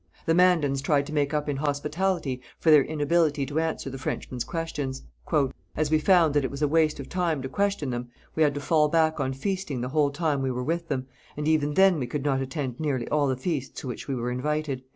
The Mandans tried to make up in hospitality for their inability to answer the Frenchman's questions. 'As we found that it was a waste of time to question them, we had to fall back on feasting the whole time we were with them, and even then we could not attend nearly all the feasts to which we were invited.'